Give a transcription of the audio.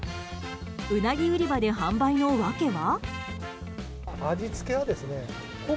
うなぎ売り場で販売の訳は？